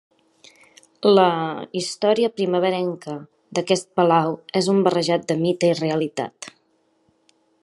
La història primerenca d'aquest palau és una barreja de mite i realitat.